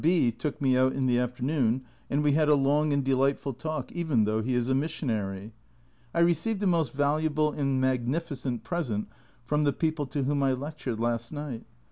B took me out in the afternoon, and we had a long and delightful talk even though he is a missionary ! I received a most valuable and magnificent present from the people to whom I lectured last night.